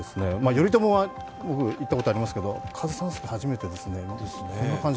頼朝は僕、行ったことありますけれども、上総介初めてですね。